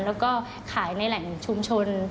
แล้วก็ขายในแหล่งชุมชน